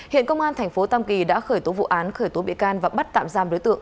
hiện công an thành phố tam kỳ đã khởi tố vụ án khởi tố bị can và bắt tạm giam đối tượng